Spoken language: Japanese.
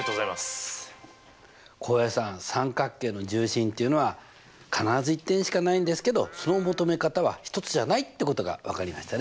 浩平さん三角形の重心っていうのは必ず１点しかないんですけどその求め方は１つじゃないってことが分かりましたね。